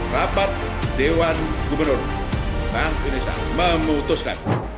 rapat dewan gubernur bank indonesia memutuskan